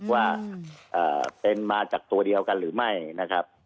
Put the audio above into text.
ว่าเป็นมาจากตัวเดียวกันหรือไม่นะครับ